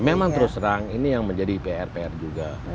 memang terus terang ini yang menjadi pr pr juga